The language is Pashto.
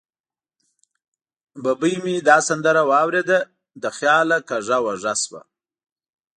ببۍ مې دا سندره واورېده، له خیاله کږه وږه شوه.